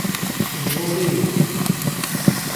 Ji bo vê yekê